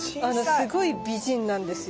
すごい美人なんですよ。